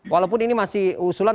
walaupun ini masih usulan